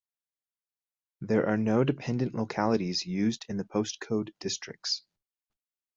There are no dependent localities used in the postcode districts.